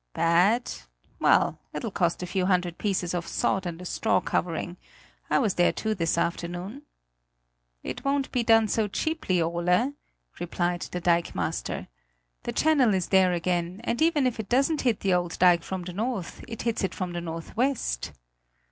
"Bad? Well, it'll cost a few hundred pieces of sod and a straw covering. I was there too this afternoon. "It won't be done so cheaply, Ole," replied the dikemaster; "the channel is there again, and even if it doesn't hit the old dike from the north, it hits it from the northwest."